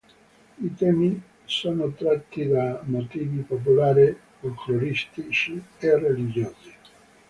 I temi sono tratti da motivi popolari, folcloristici e religiosi.